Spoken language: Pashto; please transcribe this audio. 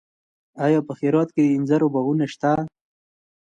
آیا په هرات کې د انځرو باغونه شته؟